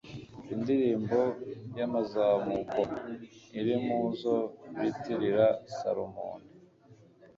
indirimbo y'amazamuko. iri mu zo bitirira salomoni